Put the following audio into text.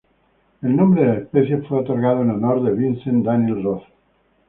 El nombre de la especie fue otorgado en honor de Vincent Daniel Roth.